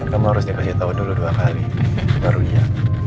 kamu harus dikasih tahu dulu dua kali baru iya